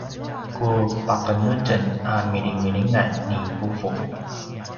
ku paqenetjen a milimilingan ni vuvu